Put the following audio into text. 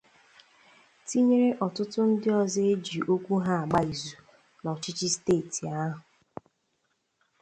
tinyere ọtụtụ ndị ọzọ e ji okwu ha agba ìzù n'ọchịchị steeti ahụ